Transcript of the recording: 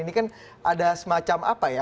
ini kan ada semacam apa ya